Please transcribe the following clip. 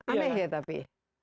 aneh ya tapi